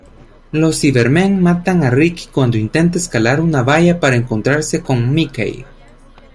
Los Cybermen matan a Ricky cuando intenta escalar una valla para encontrarse con Mickey.